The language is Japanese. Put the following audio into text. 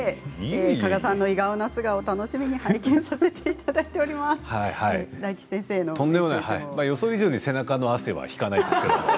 加賀さんの意外な素顔楽しみにとんでもない予想以上に背中の汗が引かないですけど。